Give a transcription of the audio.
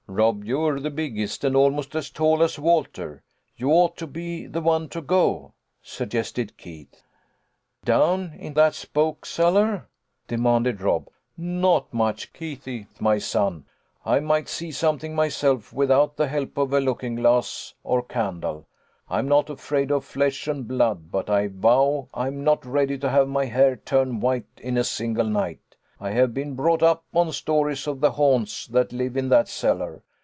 " Rob, you're the biggest, and almost as tall as Walter. You ought to be the one to go," suggested Keith. " Down in that spook cellar ?" demanded Rob. " Not much, Keithie, my son. I might see some 156 THE LITTLE COLONEL'S HOLIDAYS. thing myself, without the help of a looking glass or candle. I am not afraid of flesh and blood, but I vow I'm not ready to have my hair turn white in a single night. I have been brought up on stories of the haunts that live in that cellar.